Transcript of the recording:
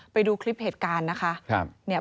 ไปดูคลิปเหตุการณ์นะคะ